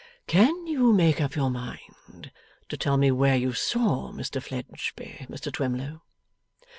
'Can you make up your mind to tell me where you saw Mr Fledgeby, Mr Twemlow?